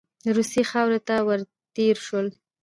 د روسیې خاورې ته ور تېر شولو.